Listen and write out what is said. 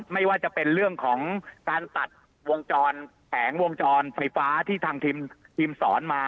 ไม่ว่าจะเป็นเรื่องของการตัดวงจรแผงวงจรไฟฟ้าที่ทางทีมสอนมา